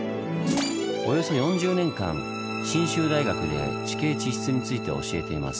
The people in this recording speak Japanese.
およそ４０年間信州大学で地形地質について教えています。